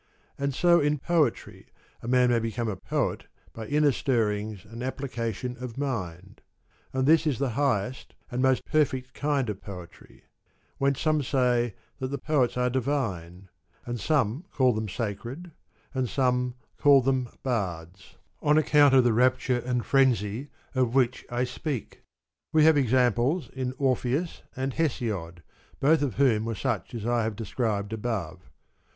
And so in poetry a man may become a poet by inner stirrings and application of mind, and this is the highest and most perfect kind of poetry ; whence some say that the poets are divine, and some call them sacred, and some call them bards, on account of the rapture and frenzy of which I speak. We have examples in Orpheus and Hesiod, both of whom were such as I have described above.